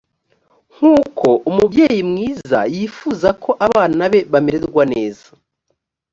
nk uko umubyeyi mwiza yifuza ko abana be bamererwa neza